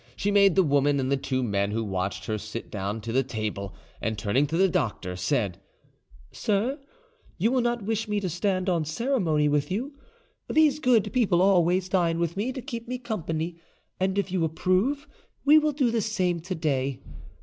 She made the woman and the two men who watched her sit down to the table, and turning to the doctor, said, "Sir, you will not wish me to stand on ceremony with you; these good people always dine with me to keep me company, and if you approve, we will do the same to day.